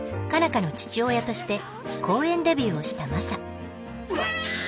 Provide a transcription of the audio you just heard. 花の父親として公園デビューをしたマサほら！